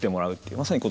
まさにね。